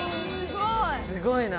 すごいな。